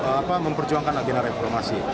pertama memperjuangkan agenda reformasi